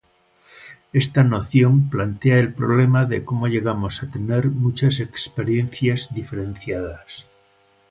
Esta noción plantea el problema de cómo llegamos a tener muchas experiencias diferenciadas.